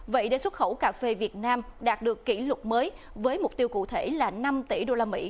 vậy để xuất khẩu cà phê việt nam đạt được kỷ lục mới với mục tiêu cụ thể là năm tỷ đô la mỹ